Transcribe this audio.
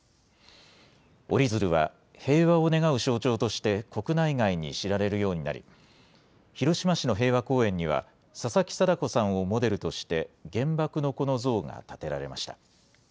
折り鶴は、平和を願う象徴として、国内外に知られるようになり、広島市の平和公園には、佐々木禎子さんをモデルとして、原爆の子の像が建てられました。